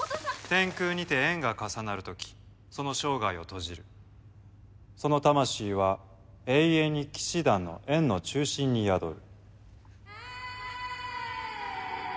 「天空にて円が重なる時その生涯を閉じる」「その魂は永遠に騎士団の円の中心に宿る」